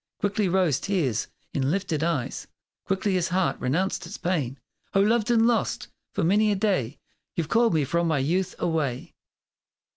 Quickly rose tears in lifted eyes, Quickly his heart renounced its pain! "O loved and lost! for many a day You've called me from my youth away!"